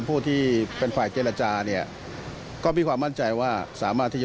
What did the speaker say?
คือคือคือคือคือคือคือคือคือคือคือคือคือ